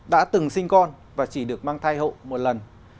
đã từng sinh con và chỉ được mang thai hộ một lần